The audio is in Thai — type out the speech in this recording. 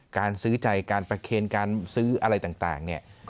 การซื้อใจการประเคนการซื้ออะไรต่างเนี่ย